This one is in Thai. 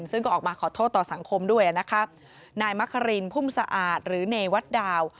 ซึ่งก็ออกมาขอโทษต่อสังคมด้วยนะคะนายมะครินพุ่มสะอาดหรือเนวัดดาว